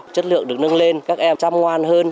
chất lượng được nâng lên các em chăm ngoan hơn